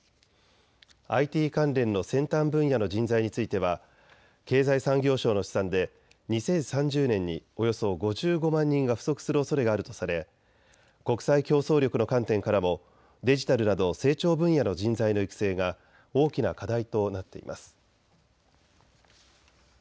ＩＴ関連の先端分野の人材については経済産業省の試算で２０３０年におよそ５５万人が不足するおそれがあるとされ国際競争力の観点からもデジタルなど成長分野の人材の育成が大きな課題となっています。